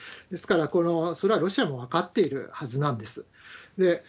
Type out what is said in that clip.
ですから、それはロシアも分かっているはずなんです。